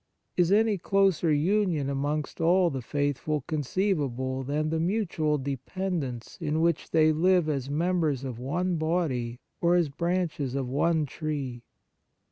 Is any closer union amongst all the faithful conceivable than the mutual dependence in which they live as members of one body or as branches of one tree